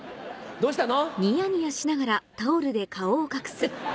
どうしたの？